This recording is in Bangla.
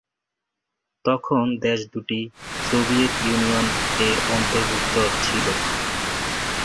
তখন দেশ দুটি সোভিয়েত ইউনিয়ন এর অন্তর্ভুক্ত ছিল।